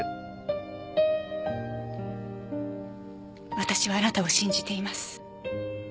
私はあなたを信じています。